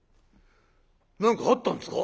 「何かあったんですか？」。